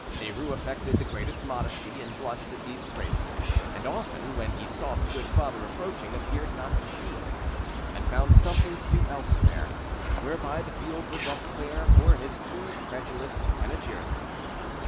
Derues affected the greatest modesty, and blushed at these praises, and often, when he saw the good father approaching, appeared not to see him, and found something to do elsewhere; whereby the field was left clear for his too credulous panegyrists.